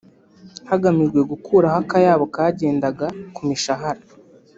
hagamijwe gukuraho akayabo kagendaga ku mishahara